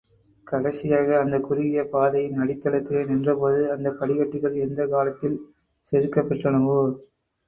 கடைசியாக அந்தக் குறுகிய பாதையின் அடித்தளத்திலே நின்ற போது, இந்தப் படிக்கட்டுகள் எந்தக் காலத்தில் செதுக்கப் பெற்றனவோ?